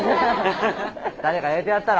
誰か入れてやったら？